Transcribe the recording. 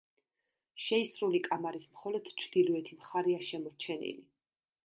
შეისრული კამარის მხოლოდ ჩრდილოეთი მხარეა შემორჩენილი.